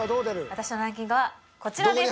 私のランキングはこちらです。